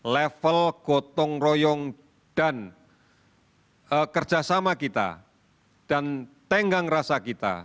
level gotong royong dan kerjasama kita dan tenggang rasa kita